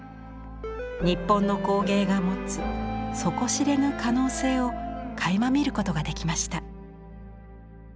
日本の工芸が持つ底知れぬ可能性をかいま見ることができました。